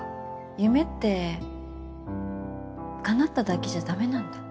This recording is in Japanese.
夢ってかなっただけじゃだめなんだ。